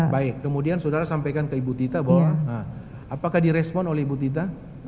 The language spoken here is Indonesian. baik kemudian saudara sampaikan ke ibu tita bahwa apakah direspon oleh ibu tita